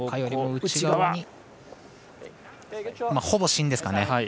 ほぼ芯ですかね。